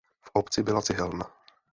V obci byla cihelna.